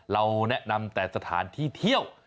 เราแนะนำแต่สถานที่เที่ยว